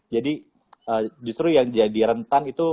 jadi justru yang jadi rentan itu